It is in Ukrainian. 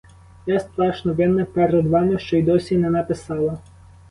Я страшно винна перед вами, що й досі не написала.